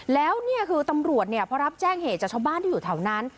แล้วนี่คือตำรวจเนี่ยพอรับแจ้งเหตุจากชาวบ้านที่อยู่แถวนั้น